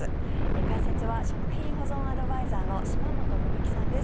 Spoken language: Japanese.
解説は食品保存アドバイザーの島本美由紀さんです。